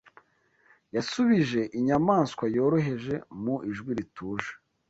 Yasubije inyamaswa yoroheje mu ijwi rituje